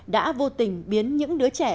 đã vô tình biến những đứa trẻ